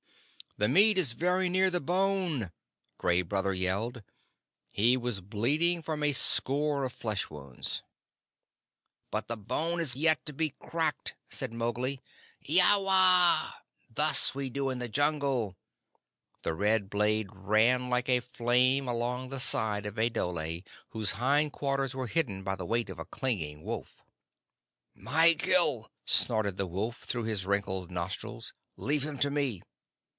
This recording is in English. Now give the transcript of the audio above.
"The meat is very near the bone," Gray Brother yelled. He was bleeding from a score of flesh wounds. "But the bone is yet to be cracked," said Mowgli. "Eowawa! Thus do we do in the Jungle!" The red blade ran like a flame along the side of a dhole whose hind quarters were hidden by the weight of a clinging wolf. "My kill!" snorted the wolf through his wrinkled nostrils. "Leave him to me."